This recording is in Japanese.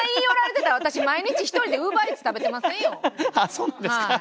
そうなんですか。